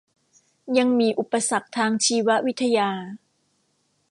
ยังมีอุปสรรคทางชีววิทยา